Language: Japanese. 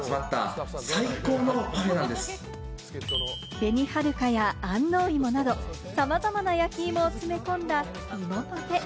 紅はるかや安納芋など、さまざまな焼き芋を詰め込んだ芋パフェ。